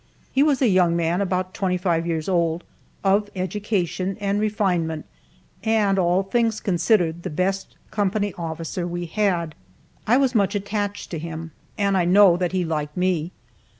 He was a young man, about twenty five years old, of education and refinement, and all things considered, the best company officer we had. I was much attached to him, and I know that he liked me.